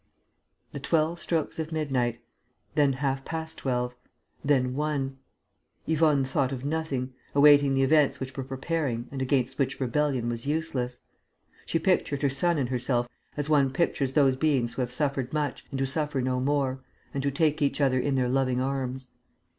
The twelve strokes of midnight.... Then half past twelve ... then one.... Yvonne thought of nothing, awaiting the events which were preparing and against which rebellion was useless. She pictured her son and herself as one pictures those beings who have suffered much and who suffer no more and who take each other in their loving arms.